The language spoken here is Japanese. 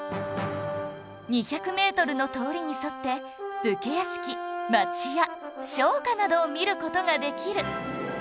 ２００メートルの通りに沿って武家屋敷町屋商家などを見る事ができる